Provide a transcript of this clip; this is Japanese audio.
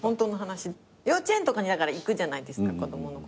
幼稚園とかに行くじゃないですか子供の頃。